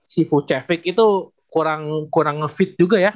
si vucevic itu kurang kurang ngefit juga ya